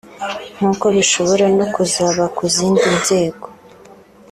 nk’uko bishobora no kuzaba ku zindi nzego